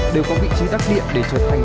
đều có vị trí đắc điện để trở thành